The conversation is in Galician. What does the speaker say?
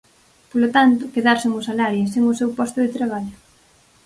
Polo tanto, quedar sen o salario e sen o seu posto de traballo.